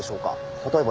例えば。